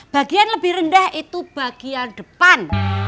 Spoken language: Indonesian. bagian lebih rendah itu bagian depan